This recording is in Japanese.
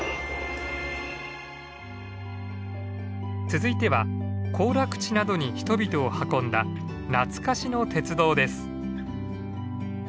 続いては行楽地などに人々を運んだ懐かしの鉄道です。